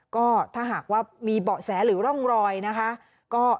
ก็ถ้าหากว่ามีเบาะแสหรือร่องรอยนะคะ